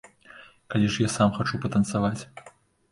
Калі ж я сам хачу патанцаваць.